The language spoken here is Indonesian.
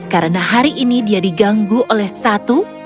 karena hari ini dia diganggu oleh satu